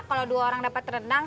kalo dua orang dapet rendang